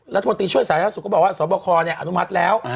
รัฐมนตรีช่วยสาธารณสุขก็บอกว่าสอบคออนุมัติแล้ว